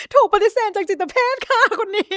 ถูกปฏิเสธจากจิตเพศค่ะคนนี้